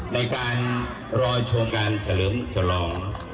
ในการรอชมการเฉลิมฉลอง